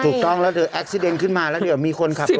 ถูกต้องแล้วเดี๋ยวแอ็กซิเดนขึ้นมาแล้วเดี๋ยวมีคนขับรถ